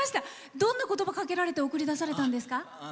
どんな言葉かけられて送り出されたんですか？